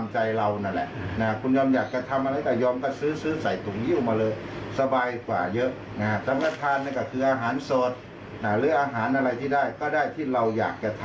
พระกินแล้วเมาเนี่ยบางที่เนี่ยบางคนเนี่ย